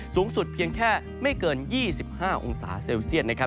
สูงสุดเพียงแค่ไม่เกิน๒๕องศาเซลเซียตนะครับ